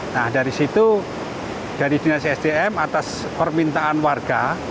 nah dari situ dari dinas sdm atas permintaan warga